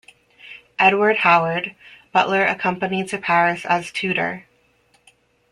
Edward Howard, Butler accompanied to Paris as tutor.